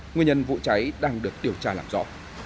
nguyên nhân vụ cháy đang được điều tra làm rõ